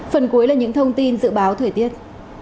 phần cuối là những thông tin dự báo thời tiết